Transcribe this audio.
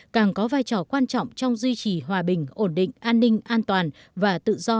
càng có vai trò quan trọng trong duy trì hòa bình ổn định an ninh an toàn và tự do